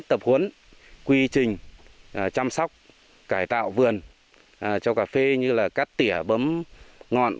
tập huấn quy trình chăm sóc cải tạo vườn cho cà phê như là cắt tỉa bấm ngọn